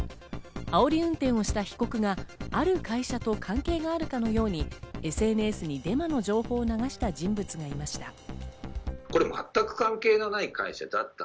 あおり運転をした被告がある会社と関係があるかのように、ＳＮＳにデマの情報を流した人物がいました。